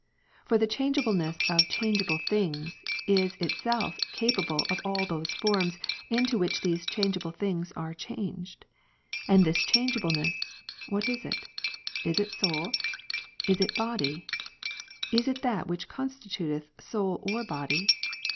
For the changeable ■^' ness of changeable things, is itself capable of all those forms, into which these changeable things ai'e changed. And this changeableness, what is it? Is it soul ? Is it body ? Is it that which constituteth soul or body